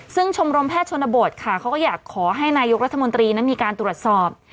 ซึ่งชมรมแพทย์ชนบทค่ะเขาก็อยากขอให้นายกรัฐมนตรีนั้นมีการตรวจสอบ